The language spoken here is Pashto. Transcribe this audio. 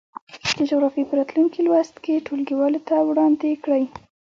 د جغرافيې په راتلونکي لوست یې ټولګیوالو ته وړاندې کړئ.